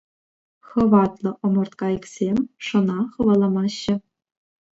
Хӑватлӑ ӑмӑрткайӑксем шӑна хӑваламаҫҫӗ.